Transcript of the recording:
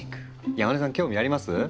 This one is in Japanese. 山根さん興味あります？